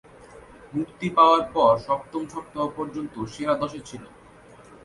মুক্তি পাওয়ার পর সপ্তম সপ্তাহ পর্যন্ত সেরা দশে ছিল।